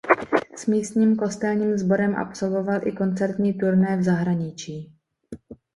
S místním kostelním sborem absolvoval i koncertní turné v zahraničí.